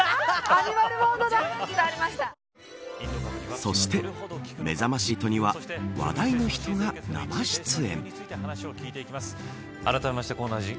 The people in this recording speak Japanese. そして、めざまし８には話題の人が生出演。